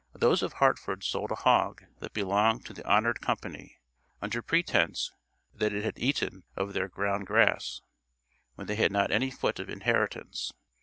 "Those of Hartford sold a hogg, that belonged to the honored companie, under pretence that it had eaten of theire grounde grass, when they had not any foot of inheritance.